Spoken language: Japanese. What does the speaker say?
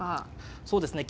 そうですね。